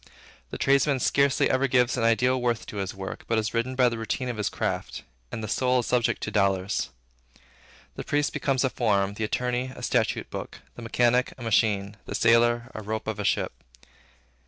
The tradesman scarcely ever gives an ideal worth to his work, but is ridden by the routine of his craft, and the soul is subject to dollars. The priest becomes a form; the attorney, a statute book; the mechanic, a machine; the sailor, a rope of a ship.